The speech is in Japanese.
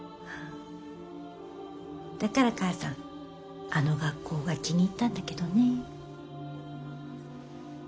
だから母さんあの学校が気に入ったんだけどね。